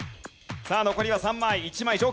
さあ残りは３枚。